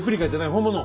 本物。